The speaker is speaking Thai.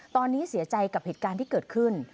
ตอนนี้เสียใจกับเหตุการณ์ที่เกิดขึ้น